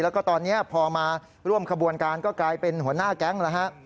แล้วก็ตอนนี้พอมาร่วมขบวนการก็กลายเป็นหัวหน้าแก๊งแล้วฮะ